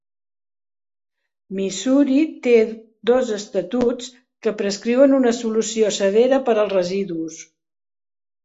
Missouri té dos estatuts que prescriuen una solució severa per als residus.